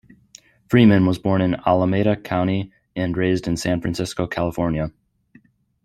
Freeman was born in Alameda County and raised in San Francisco, California.